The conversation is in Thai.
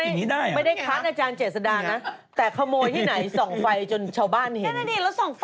แต่ขโมยที่ไหนส่องไฟจนชาวบ้านเห็น